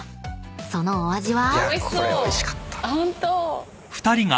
［そのお味は？］